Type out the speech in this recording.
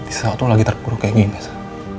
nanti saat lo lagi terpuru kayak gini sa